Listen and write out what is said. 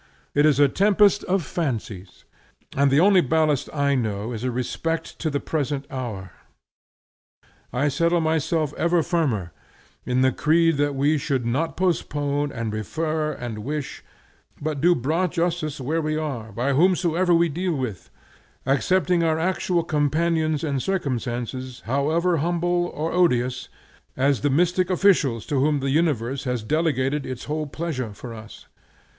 It is a tempest of fancies, and the only ballast I know is a respect to the present hour. Without any shadow of doubt, amidst this vertigo of shows and politics, I settle myself ever the firmer in the creed that we should not postpone and refer and wish, but do broad justice where we are, by whomsoever we deal with, accepting our actual companions and circumstances, however humble or odious as the mystic officials to whom the universe has delegated its whole pleasure for us.